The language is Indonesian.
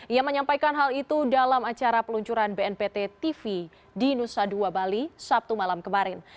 ia menyampaikan hal itu dalam acara peluncuran bnpt tv di nusa dua bali sabtu malam kemarin